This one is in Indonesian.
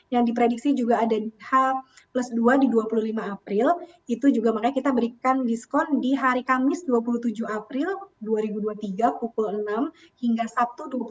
yang diprediksi juga ada di h plus dua di dua puluh lima april itu juga makanya kita berikan diskon di hari kamis dua puluh tujuh april dua ribu dua puluh tiga pukul enam hingga sabtu dua puluh tiga